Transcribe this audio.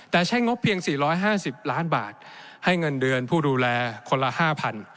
แต่ใช้งบเพียง๔๕๐ล้านบาทให้เงินเดือนผู้ดูแลคนละ๕๐๐